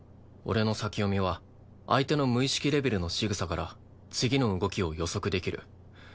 俺の先読みは相手の無意識レベルの仕草から次の動きを予測できる。